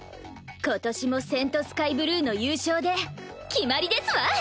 今年も聖スカイブルーの優勝で決まりですわ！